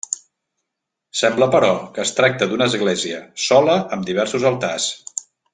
Sembla, però, que es tracta d'una església, sola, amb diversos altars.